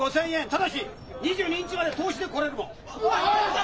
ただし２２日まで通しで来れる者！